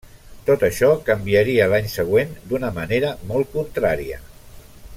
Tot això canviaria l'any següent d'una manera molt contrària.